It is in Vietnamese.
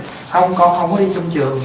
không con không có đi trong trường